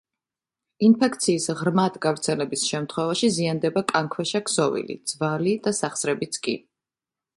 ინფექციის ღრმად გავრცელების შემთხვევაში ზიანდება კანქვეშა ქსოვილი, ძვალი და სახსრებიც კი.